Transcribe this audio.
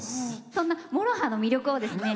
そんなＭＯＲＯＨＡの魅力をですね